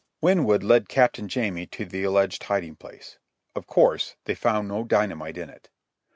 Winwood led Captain Jamie to the alleged hiding place. Of course they found no dynamite in it.